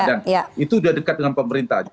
dan itu sudah dekat dengan pemerintah